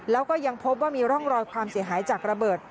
แล้วก็ยังพบว่ามีร่องรอยความเสียหายจากระเบิด